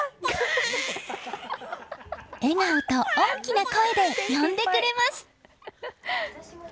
笑顔と大きな声で呼んでくれます。